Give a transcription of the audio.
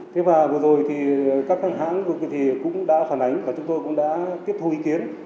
thế và vừa rồi thì các hàng hãng cũng đã phản ánh và chúng tôi cũng đã tiếp thu ý kiến